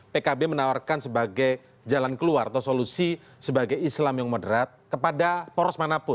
pkb menawarkan sebagai jalan keluar atau solusi sebagai islam yang moderat kepada poros manapun